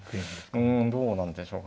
うんどうなんでしょうかね。